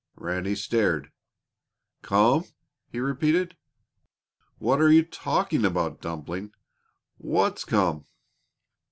Ranny stared. "Come?" he repeated. "What are you talking about, Dumpling? What's come?"